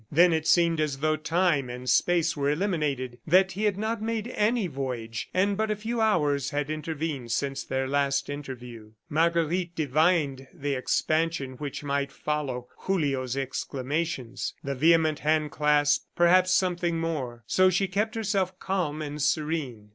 Then it seemed as though time and space were eliminated, that he had not made any voyage, and but a few hours had intervened since their last interview. Marguerite divined the expansion which might follow Julio's exclamations, the vehement hand clasp, perhaps something more, so she kept herself calm and serene.